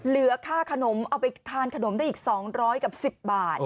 เสียค่าขนมเอาไปทานขนมได้อีก๒๑๐บาท